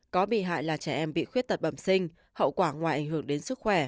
có bị hại là trẻ em bị khuyết tật bẩm sinh hậu quả ngoài ảnh hưởng đến sức khỏe